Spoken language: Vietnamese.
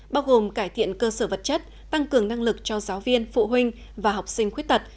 bao gồm cải thiện cơ sở vật chất tăng cường năng lực cho giáo viên phụ huynh và học sinh khuyết tật